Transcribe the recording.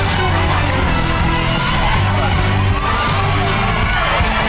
อยู่แล้วเร็วมาก